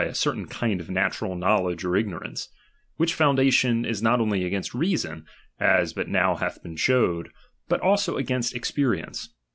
a certain kind of natural knowledge or ignorance, chap. hi. Which fonndatioii is not only ag'ainst reason, (as '—'—' bat now hath been showed), but also against ex perience.